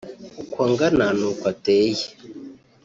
uko angana n’uko ateye